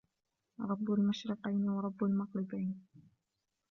رب المشرقين ورب المغربين